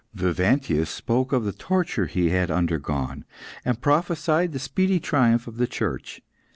Vivantius spoke of the torture he had undergone, and prophesied the speedy triumph of the Church.